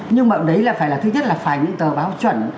nhưng mà đấy là phải là thứ nhất là phải những tờ báo chuẩn